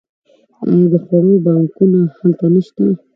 آیا د خوړو بانکونه هلته نشته؟